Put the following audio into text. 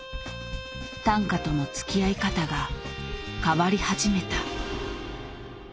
短歌とのつきあい方が変わり始めた。